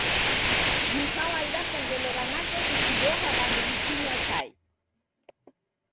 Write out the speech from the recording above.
Ni kawaida sa ngelo ra nakesho kudoka w'andu w'ikinywa chai.